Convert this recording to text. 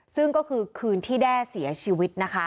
ซึ่งก็คือคืนที่แด้เสียชีวิตนะคะ